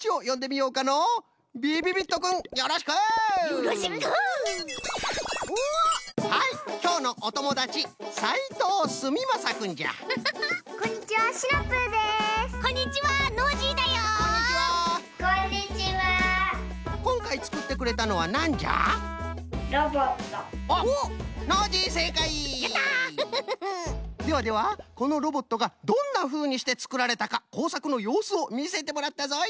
ではではこのロボットがどんなふうにしてつくられたかこうさくのようすをみせてもらったぞい。